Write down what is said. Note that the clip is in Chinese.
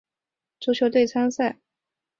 他也代表摩尔多瓦国家足球队参赛。